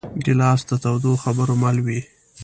ګیلاس د تودو خبرو مل وي.